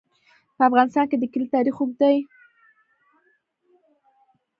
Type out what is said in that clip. په افغانستان کې د کلي تاریخ اوږد دی.